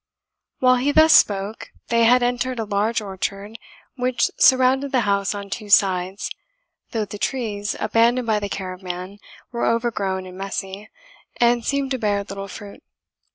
While he thus spoke, they had entered a large orchard which surrounded the house on two sides, though the trees, abandoned by the care of man, were overgrown and messy, and seemed to bear little fruit.